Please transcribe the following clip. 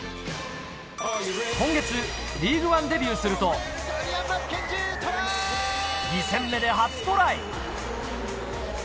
今月、リーグワンデビューすると、２戦目で初トライ。